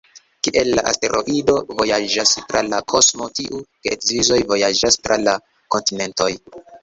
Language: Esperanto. Kiel la asteroido vojaĝas tra la kosmo, tiuj geedzoj vojaĝas tra la kontinentoj.